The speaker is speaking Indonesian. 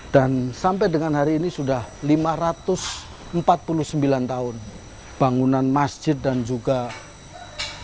dan sampai dengan hari ini sudah lima ratus empat puluh sembilan tahun bangunan masjid dan juga pondok pesantren yang berdiri